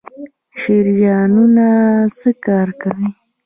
شریانونه څه کار کوي؟